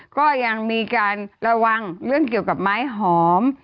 ก็ยังมีการระวังเรื่องเกี่ยวกับไม้หอม